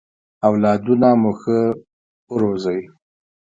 اولادونه مو ښه ورزوی!